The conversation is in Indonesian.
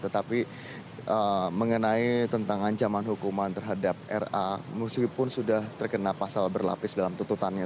tetapi mengenai tentang ancaman hukuman terhadap ra muslim pun sudah terkena pasal berlapis dalam tututannya